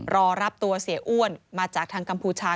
รอรับตัวเสียอ้วนมาจากทางกัมพูชา